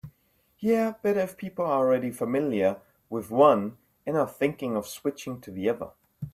Yeah, better if people are already familiar with one and are thinking of switching to the other.